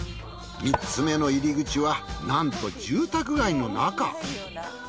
３つめの入り口はなんと住宅街の中。